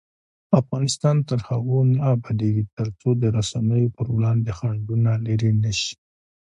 افغانستان تر هغو نه ابادیږي، ترڅو د رسنیو پر وړاندې خنډونه لیرې نشي.